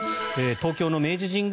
東京の明治神宮